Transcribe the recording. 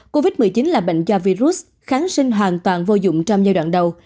covid một mươi chín là bệnh do virus kháng sinh hoàn toàn vô dụng trong giai đoạn đầu